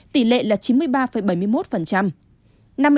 tỷ lệ là chín mươi ba bảy mươi một